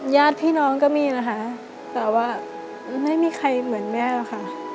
ญาติพี่น้องก็มีนะคะแต่ว่าไม่มีใครเหมือนแม่หรอกค่ะ